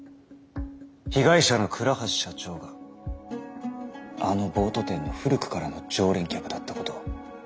被害者の倉橋社長があのボート店の古くからの常連客だったことを。